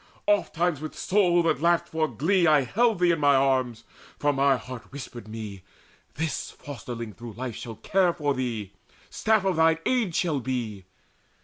Ofttimes with soul that laughed for glee I held Thee in mine arms; for mine heart whispered me `This fosterling through life shall care for thee, Staff of thine age shall be.'